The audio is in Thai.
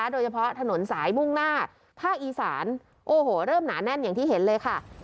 โดยเฉพาะถนนสายมุ่งหน้าภาคอีสานโอ้โหเริ่มหนาแน่นอย่างที่เห็นเลยค่ะ